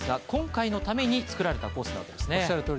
今回のために作られたコースなんですね。